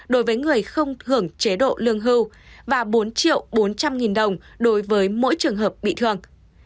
đối với người không hưởng chế độ lương hưu và bốn triệu bốn trăm linh nghìn đồng đối với mỗi trường hợp bị thương